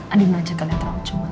adi ngajak kalian terlalu cemas